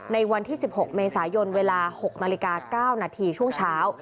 ในวันที่๑๖เมษายนเวลา๖นาฬิกา๙นาทีช่วงเช้า